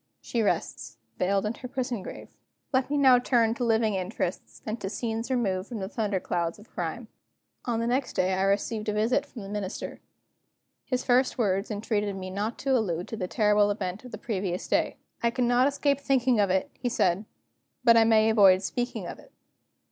She rests, veiled in her prison grave. Let me now turn to living interests, and to scenes removed from the thunder clouds of crime. ....... On the next day I received a visit from the Minister. His first words entreated me not to allude to the terrible event of the previous day. "I cannot escape thinking of it," he said, "but I may avoid speaking of it."